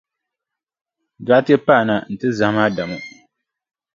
Dɔɣite paana nti zahim Adamu.